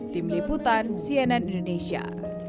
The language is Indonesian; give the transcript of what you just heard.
tim liputan cnn indonesia